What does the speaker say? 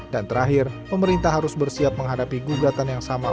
dan terakhir pemerintah harus bersiap menghadapi gugatan yang sama